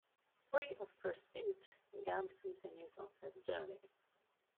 Free of pursuit, Gant continues on his journey.